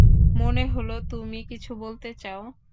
মনে হল তুমি কিছু বলতে চাও।